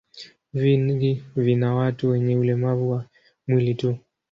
Vingi vina watu wenye ulemavu wa mwili tu.